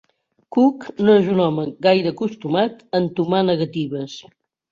Cook no és un home gaire acostumat a entomar negatives.